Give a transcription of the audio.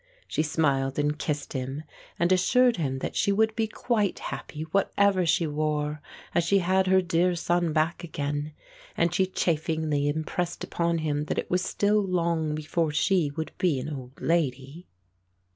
She smiled and kissed him, and assured him that she would be quite happy whatever she wore, as she had her dear son back again, and she chaffingly impressed upon him that it was still long before she would be an old lady.